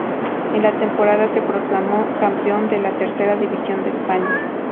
En la temporada se proclamó campeón de la Tercera División de España.